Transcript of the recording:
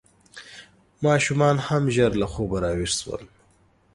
ماشومان هم ژر له خوبه راویښ شول.